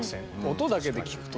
音だけで聴くとね